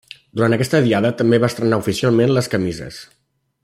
Durant aquesta diada també van estrenar oficialment les camises.